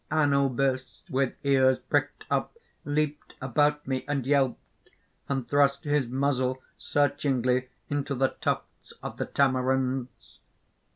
Anubis, with ears pricked up, leaped about me, and yelped, and thrust his muzzle searchingly into the tufts of the tamarinds.